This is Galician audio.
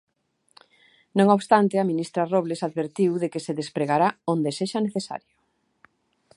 Non obstante, a ministra Robles advertiu de que se despregará "onde sexa necesario".